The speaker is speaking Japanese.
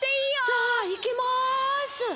・じゃあいきます！